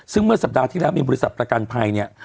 ซึ่งเมื่อสัปดาห์ที่แล้วมีบริษัทประกันภัยเนี่ย